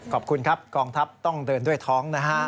ขอบคุณครับกองทัพต้องเดินด้วยท้องนะฮะ